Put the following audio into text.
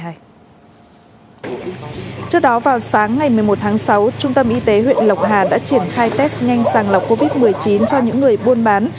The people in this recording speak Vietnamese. trước đó vào sáng ngày một mươi một tháng sáu trung tâm y tế huyện lộc hà đã triển khai test nhanh sàng lọc covid một mươi chín cho những người buôn bán